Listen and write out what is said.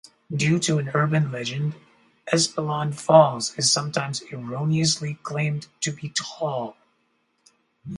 Due to an urban legend, Espeland Falls is sometimes erroneously claimed to be tall.